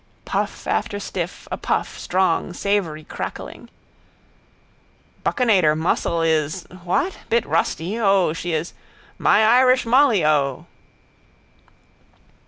Puff after stiff, a puff, strong, savoury, crackling. —Buccinator muscle is... What?... Bit rusty... O, she is... My Irish Molly, O.